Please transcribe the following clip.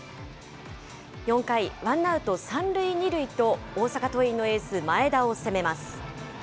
４回、ワンアウト３塁２塁と大阪桐蔭のエース、前田を攻めます。